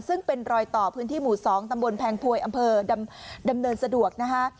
ซึ่งเป็นรอยต่อพื้นที่หมู่๒ตำบลแพงพวยอำเภอดำเนินสะดวกนะคะ